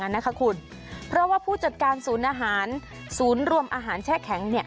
นะคะคุณเพราะว่าผู้จัดการศูนย์อาหารศูนย์รวมอาหารแช่แข็ง